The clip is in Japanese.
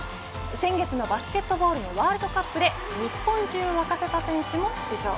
先月のバスケットボールのワールドカップで日本中を沸かせた選手も出場。